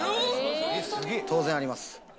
当然あります。